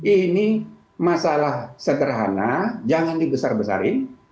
ini masalah sederhana jangan dibesar besarin